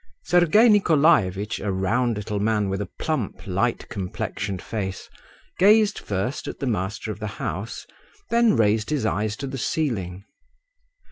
Sergei Nikolaevitch, a round little man with a plump, light complexioned face, gazed first at the master of the house, then raised his eyes to the ceiling.